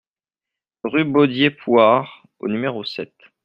Rue Bodié Pouard au numéro sept